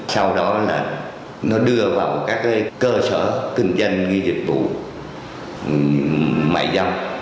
sau đó là nó đưa vào các cái cơ sở kinh doanh nghi dịch vụ mại giao